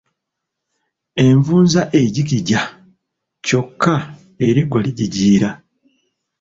Envunza ejigijja ky'okka eriggwa lijijiira.